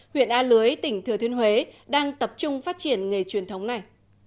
huyện a lưới tỉnh thừa thiên huế đang tập trung phát triển nghề truyền thống này